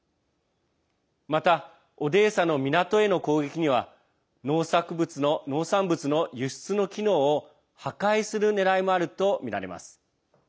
また、オデーサの港への攻撃には農産物の輸出の機能を破壊するねらいもあるとみられます。